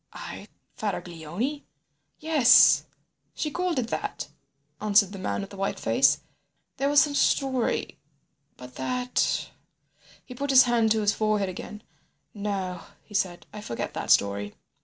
"I Faraglioni? Yes, she called it that," answered the man with the white face. "There was some story—but that—" He put his hand to his forehead again. "No," he said, "I forget that story."